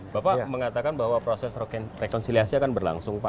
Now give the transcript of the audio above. bapak mengatakan bahwa proses rekonciliasi akan berlangsung